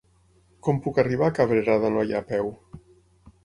Com puc arribar a Cabrera d'Anoia a peu?